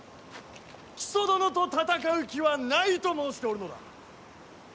木曽殿と戦う気はないと申しておるのだ。